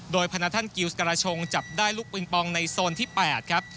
โดยพนักท่านกิวสการาชงจับได้ลูกปิงปองในโซนที่๘ครับ